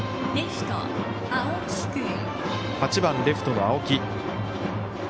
８番レフトの青木。